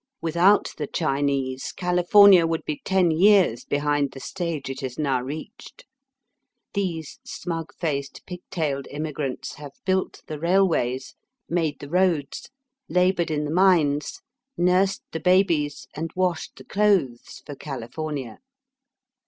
Without the Chinese, California would be ten years behind the stage it has now reached. These smug faced, pig tailed immigrants have built the railways, made the roads, laboured in the mines, nursed the babies, and washed the clothes for Cali fornia.